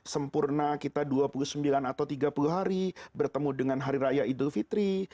sempurna kita dua puluh sembilan atau tiga puluh hari bertemu dengan hari raya idul fitri